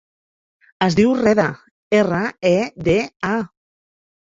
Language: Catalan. Es diu Reda: erra, e, de, a.